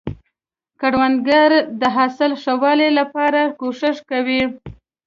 کروندګر د حاصل ښه والي لپاره کوښښ کوي